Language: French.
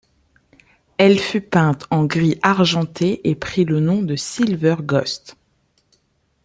Elle fut peinte en gris argenté et prit le nom de Silver Ghost.